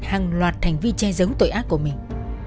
hàng loạt thành vi che giống tội ác của mình